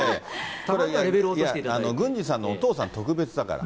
ただ、郡司さんのお父さん、特別だから。